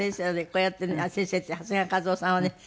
こうやってね先生って長谷川一夫さんはね